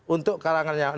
untuk kalangan yang lain